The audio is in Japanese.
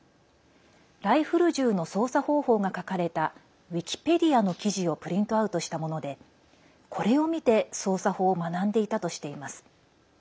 ライフル銃の操作方法が書かれたウィキペディアの記事をプリントアウトしたものでこれを見て操作法を学んでいたとしています。